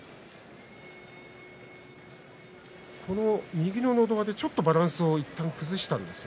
右ののど輪でバランスをいったん崩しました。